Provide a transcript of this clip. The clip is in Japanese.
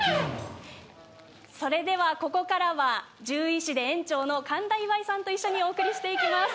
それでは、ここからは獣医師で園長の神田岳委さんとお送りしていきます